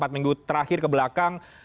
empat minggu terakhir ke belakang